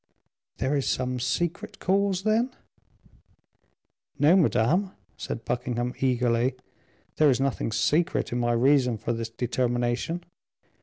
"There is some secret cause, then?" "No, madame," said Buckingham, eagerly, "there is nothing secret in my reason for this determination.